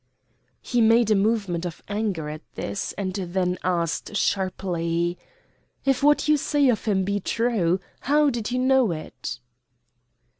He made a movement of anger at this, and then asked sharply: "If what you say of him be true, how did you know it?"